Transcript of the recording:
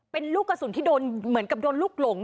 เป็นลูกกระสุนที่โดนเหมือนกับโดนลูกหลง